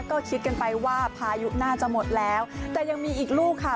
ก็คิดกันไปว่าพายุน่าจะหมดแล้วแต่ยังมีอีกลูกค่ะ